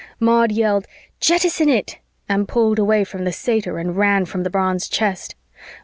Maud yelled, "Jettison it!" and pulled away from the satyr and ran from the bronze chest.